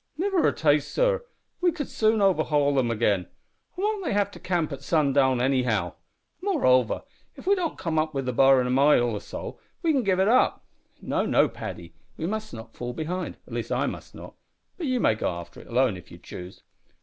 "Niver a taste, sor; we could soon overhaul them agin. An' won't they have to camp at sundown anyhow? Moreover, if we don't come up wi' the bar in a mile or so we can give it up." "No, no, Paddy, we must not fall behind. At least, I must not; but you may go after it alone if you choose."